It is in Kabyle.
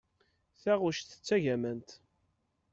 Taɣect d tagamant.